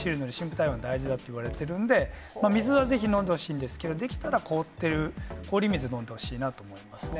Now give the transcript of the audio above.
体温が大事だっていわれてるんで、水はぜひ飲んでほしいんですけれども、できたら凍ってる、氷水を飲んでほしいなと思いますね。